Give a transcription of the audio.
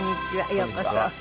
ようこそ。